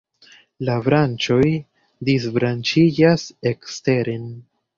La branĉoj disbranĉiĝas eksteren.